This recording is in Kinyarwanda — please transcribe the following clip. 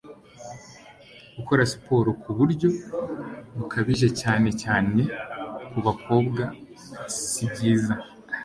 gukora siporo ku buryo bukabije cyane cyane ku bakobwa sibyiza